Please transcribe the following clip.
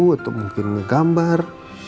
atau mungkin ngegambar